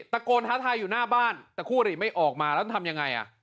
ตะโกนท้าทายอยู่หน้าบ้านแต่คู่อริไม่ออกมาแล้วทำยังไงอ่ะ